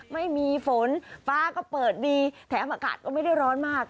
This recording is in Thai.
ไม่มีฝนฟ้าก็เปิดดีแถมอากาศก็ไม่ได้ร้อนมาก